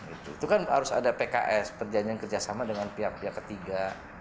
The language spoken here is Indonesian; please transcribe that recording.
itu kan harus ada pks perjanjian kerjasama dengan pihak pihak ketiga